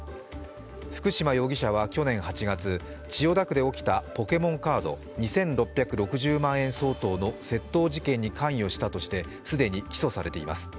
福嶋容疑者は去年８月千代田区で起きたポケモンカード２６６０万円相当の窃盗事件に関与したとして既に起訴されています。